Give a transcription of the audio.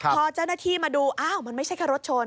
พอเจ้าหน้าที่มาดูอ้าวมันไม่ใช่แค่รถชน